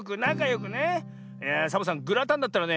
いやあサボさんグラタンだったらね